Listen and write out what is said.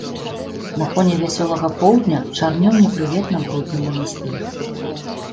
На фоне вясёлага поўдня чарнеў непрыветна брудны манастыр.